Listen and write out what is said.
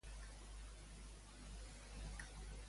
On es pot comprar la saga de Kadingir?